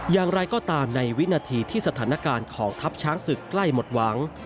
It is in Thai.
อย่างไรก็ตามในวินาทีที่สถานการณ์ของทัพช้างศึกใกล้หมดหวัง